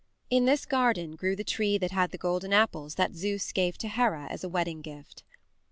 In this garden grew the tree that had the golden apples that Zeus gave to Hera as a wedding gift.